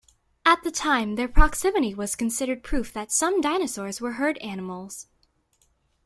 At the time, their proximity was considered proof that some dinosaurs were herd animals.